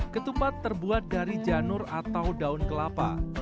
ketupat terbuat dari janur atau daun kelapa